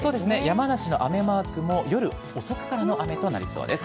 山梨の雨マークも夜遅くからの雨となりそうです。